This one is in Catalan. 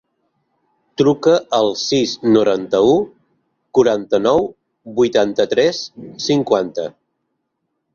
Truca al sis, noranta-u, quaranta-nou, vuitanta-tres, cinquanta.